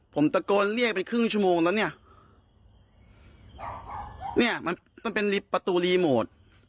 ผมตะโกนเรียกไปครึ่งชั่วโมงแล้วเนี่ยมันมันเป็นประตูรีโมท